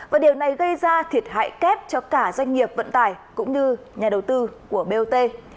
và điều này gây ra thiệt hại kép cho cả doanh nghiệp vận tải cũng như nhà đầu tư của bot